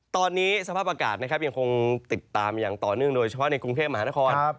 ตอนนี้สภาพอากาศนะครับยังคงติดตามอย่างต่อเนื่องโดยเฉพาะในกรุงเทพมหานคร